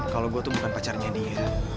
kalau gue tuh bukan pacarnya dia